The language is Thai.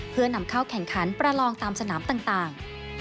เพื่อนำเข้าแข่งขันประลองตามสนามต่าง